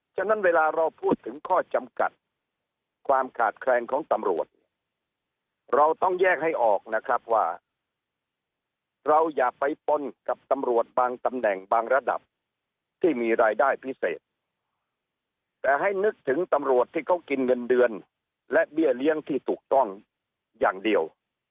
ฉะนั้นเวลาเราพูดถึงข้อจำกัดความขาดแคลนของตำรวจเราต้องแยกให้ออกนะครับว่าเราอย่าไปปนกับตำรวจบางตำแหน่งบางระดับที่มีรายได้พิเศษแต่ให้นึกถึงตำรวจที่เขากินเงินเดือนและเบี้ยเลี้ยงที่ถูกต้องอย่างเดียว